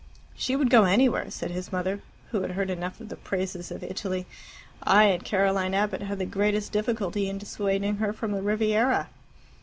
"She would go anywhere," said his mother, who had heard enough of the praises of Italy. "I and Caroline Abbott had the greatest difficulty in dissuading her from the Riviera."